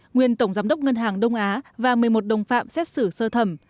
nguyên tổng giám đốc ngân hàng đông á và một mươi một đồng phạm xét xử sơ thẩm